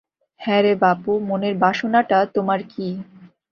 হ্যা রে বাপু, মনের বাসনাটা তোমার কী?